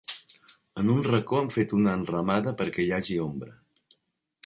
En un racó han fet una enramada perquè hi hagi ombra.